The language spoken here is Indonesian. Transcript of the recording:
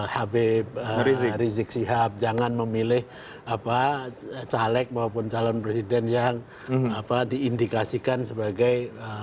habib rizik sihab jangan memilih caleg maupun calon presiden yang diindikasikan sebagai